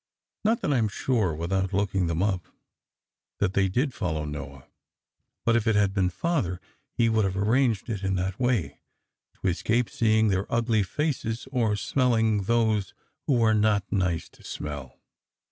Not that I m sure, without looking them up, that they did follow Noah. But if it had been Father, he would have arranged it in that way, to escape seeing their ugly faces or smelling those who were not nice to smell.